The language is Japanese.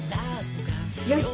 よし。